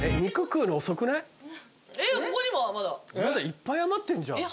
いっぱい余ってんじゃん。